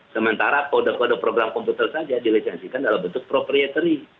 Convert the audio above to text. sementara kode kode program komputer saja diligensikan dalam bentuk properatory